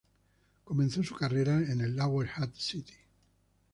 Comenzó su carrera en el Lower Hutt City.